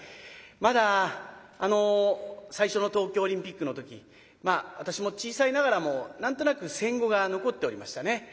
まだ最初の東京オリンピックの時私も小さいながらも何となく戦後が残っておりましたね。